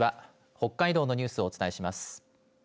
北海道のニュースをお伝えします。